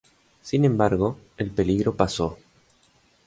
Sin embargo, el peligro pasó.